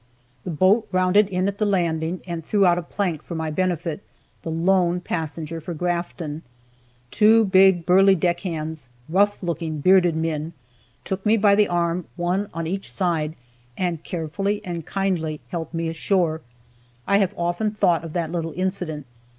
The boat rounded in at the landing, and threw out a plank for my benefit, the lone passenger for Grafton. Two big, burly deck hands, rough looking, bearded men, took me by the arm, one on each side, and carefully and kindly helped me ashore. I have often thought of that little incident.